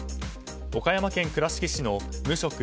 岡山県倉敷市の無職